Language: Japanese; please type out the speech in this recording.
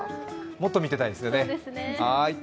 もっと見ていたいですよね。